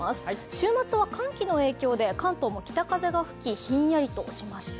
週末は寒気の影響で関東も北風が吹きひんやりとしました。